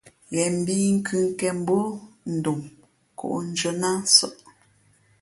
Ghen mbhǐ kʉkěn mbǒ dom nkóndʉ̄ᾱ nā nsαʼ.